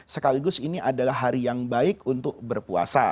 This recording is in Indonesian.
sekaligus ini adalah hari yang baik untuk berpuasa